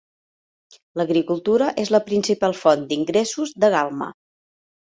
L'agricultura és la principal font d'ingressos de Galma.